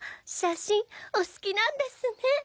写真お好きなんですね